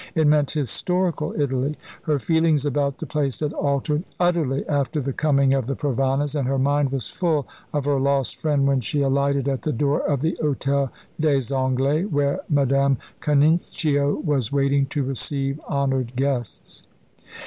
It meant historical Italy. Her feelings about the place had altered utterly after the coming of the Provanas, and her mind was full of her lost friend when she alighted at the door of the Hôtel des Anglais, where Madame Canincio was waiting to receive honoured guests.